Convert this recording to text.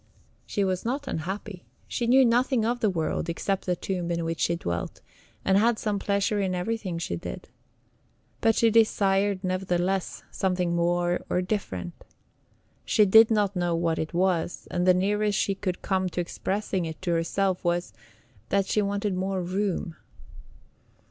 She was not unhappy. She knew nothing of the world except the tomb in which she dwelt, and had some pleasure in everything she did. But she desired, nevertheless, something more or different. She did not know what it was, and the nearest she could come to expressing it to herself was that she wanted more room.